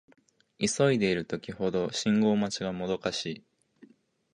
急いでいる時ほど信号待ちがもどかしい